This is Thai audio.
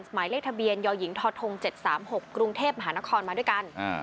หมายเลขทะเบียนยหญิงทท๗๓๖กรุงเทพมหานครมาด้วยกัน